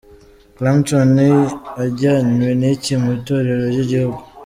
Clapton ajyanywe n’iki mu itorero ry'igihugu?.